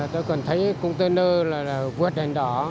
tôi còn thấy container là vuốt đèn đỏ